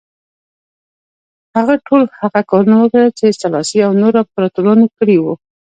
هغه ټول هغه کارونه وکړل چې سلاسي او نورو امپراتورانو کړي وو.